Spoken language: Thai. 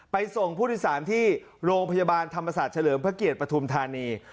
ส่งผู้โดยสารที่โรงพยาบาลธรรมศาสตร์เฉลิมพระเกียรติปฐุมธานี